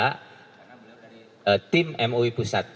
karena belum dari tim mui pusat